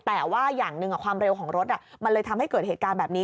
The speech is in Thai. แต่ว่าอย่างหนึ่งความเร็วของรถมันเลยทำให้เกิดเหตุการณ์แบบนี้